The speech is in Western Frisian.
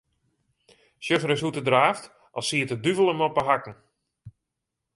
Sjoch ris hoe't er draaft, as siet de duvel him op 'e hakken.